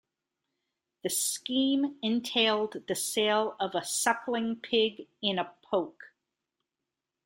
The scheme entailed the sale of a suckling pig in a poke.